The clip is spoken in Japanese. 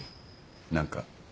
何か。